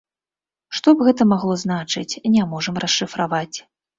Што б гэта магло значыць, не можам расшыфраваць.